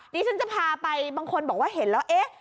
ดิฉันจะพาไปบางคนบอกว่าเห็นแล้วเอ๊ะ